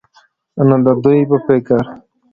نو د دوي په فکر